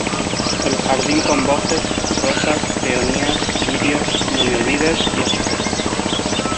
El jardín con bojes, rosas, peonías, lirios, no-me-olvides y azucenas.